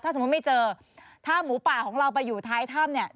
สมมุติไม่เจอถ้าหมูป่าของเราไปอยู่ท้ายถ้ำเนี่ย